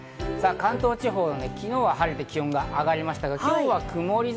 関東地方、昨日は晴れて気温が上がりましたが、今日は曇り空。